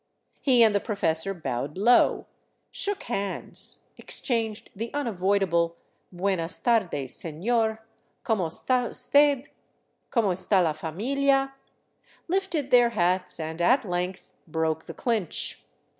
He and the professor bowed low, shook hands, exchanged the unavoid able " Buenas tardes, senor. Como esta usted ? Como esta la f am ilia ?" lifted their hats, and at length broke the clinch.